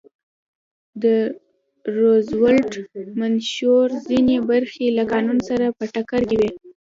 د روزولټ منشور ځینې برخې له قانون سره په ټکر کې وې.